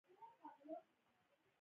د دورهام د بیشپ کیسه ډېره جالبه ده.